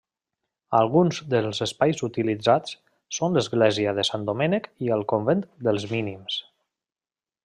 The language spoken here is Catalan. Alguns dels espais utilitzats són l'església de Sant Domènec i el convent dels Mínims.